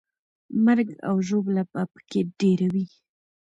مرګ او ژوبله به پکې ډېره وي.